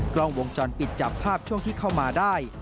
กล้องวงจรปิดจับภาพช่วงที่เข้ามาได้